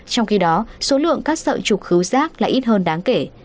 trong khi đó số lượng các sợi trục khấu giác là ít hơn đáng kể